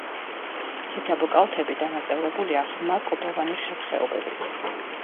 ციცაბო კალთები დანაწევრებულია ღრმა კლდოვანი ხევ-ხეობებით.